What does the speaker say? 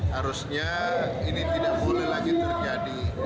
harusnya ini tidak boleh lagi terjadi